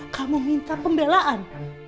kamu minta pembelaan